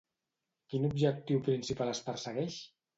Quin objectiu principal es persegueix?